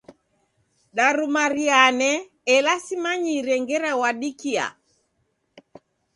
Darumiriane ela simanyire ngera wadikia.